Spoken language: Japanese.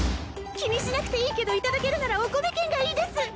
気にしなくていいけどいただけるならお米券がいいです